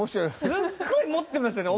すごい持ってますよね